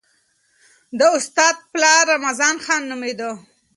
د استاد پلار رمضان خان نومېده.